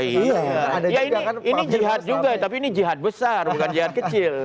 iya ini jihad juga tapi ini jihad besar bukan jihad kecil